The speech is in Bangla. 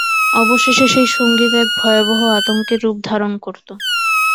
অবশেষে সেই সংগীত এক ভয়াবহ আতঙ্কের রূপ ধারণ করত।